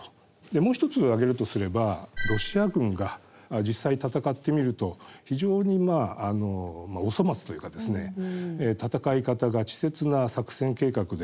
もう一つ挙げるとすればロシア軍が実際戦ってみると非常にお粗末というか戦い方が稚拙な作戦計画で。